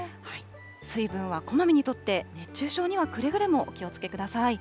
水分はこまめにとって、熱中症にはくれぐれもお気をつけください。